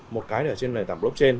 một cái là trên nền tảng blockchain